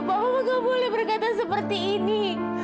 papa gak boleh berkata seperti ini